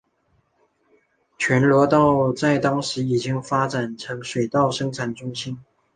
全罗道在当时已发展成水稻生产中心。